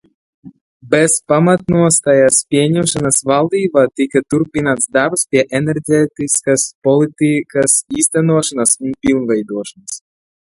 Bez pamatnostājas pieņemšanas valdībā tika turpināts darbs pie enerģētikas politikas īstenošanas un pilnveidošanas.